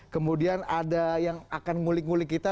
kemudian ada yang akan ngulik ngulik kita